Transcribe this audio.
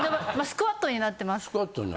スクワットになってる。